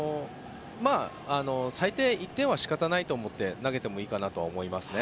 最低、１点は仕方がないと思って投げてもいいかなと思いますね。